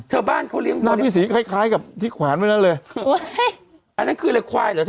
เธอบ้านเขาเลี้ยงหน้าพี่ศรีคล้ายกับที่ขวานไหมนั่นเลยอันนั้นคืออะไรควายหรอ